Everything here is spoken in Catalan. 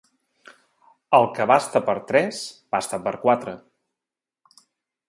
El que basta per tres, basta per quatre.